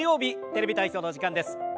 「テレビ体操」のお時間です。